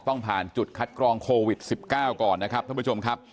ต้องผ่านจุดคัดกรองโควิด๑๙ก่อนนะครับท่านผู้ชมครับ